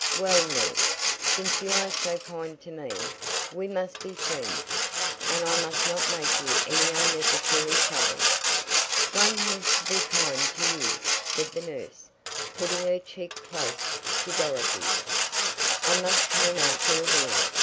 "Well, nurse, since you are so kind to me, we must be friends, and I must not make you any unnecessary trouble." "One has to be kind to you," said the nurse, putting her cheek close to Dorothy's. "I must comb out your hair.